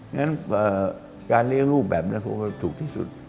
งั้นการเรียกรูปแบบนั้นถูกที่สุด